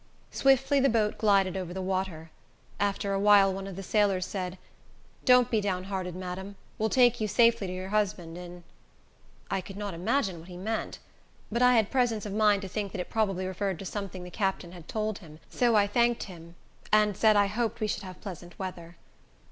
Swiftly the boat glided over the water. After a while, one of the sailors said, "Don't be down hearted, madam. We will take you safely to your husband, in ——." At first I could not imagine what he meant; but I had presence of mind to think that it probably referred to something the captain had told him; so I thanked him, and said I hoped we should have pleasant weather.